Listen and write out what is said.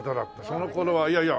その頃はいやいや。